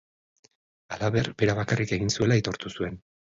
Halaber, bera bakarrik egin zuela aitortu zuen.